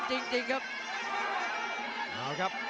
ด้วยซ้าย